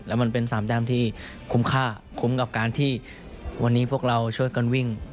แล้วมันเป็น๓แต้มที่คุ้มค่าคุ้มกับการที่วันนี้พวกเราช่วยกันวิ่ง